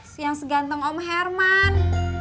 si yang seganteng om herman